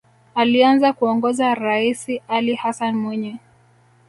Alianza kuongoza raisi Ali Hassan Mwinyi